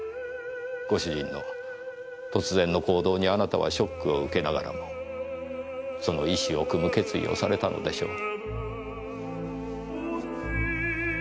ご主人の突然の行動にあなたはショックを受けながらもその遺志をくむ決意をされたのでしょう。